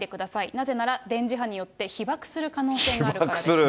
なぜなら電磁波によって被ばくする可能性があるからです。